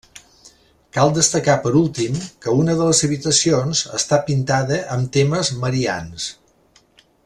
Cal destacar, per últim, que una de les habitacions està pintada amb temes marians.